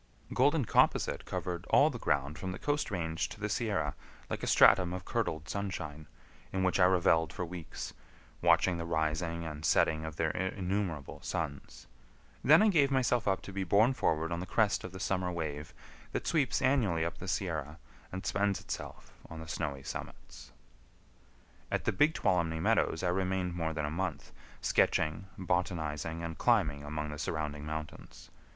Golden composite covered all the ground from the Coast Range to the Sierra like a stratum of curdled sunshine, in which I reveled for weeks, watching the rising and setting of their innumerable suns; then I gave myself up to be borne forward on the crest of the summer wave that sweeps annually up the Sierra and spends itself on the snowy summits. At the Big Tuolumne Meadows I remained more than a month, sketching, botanizing, and climbing among the surrounding mountains.